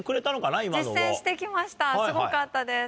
実践して来ましたすごかったです